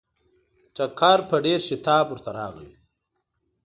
ټکر په ډېر شتاب ورته راغی.